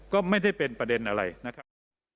ก็ไม่ได้เป็นประเด็นอะไรนะครับ